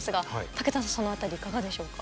武田さんその辺りいかがでしょうか？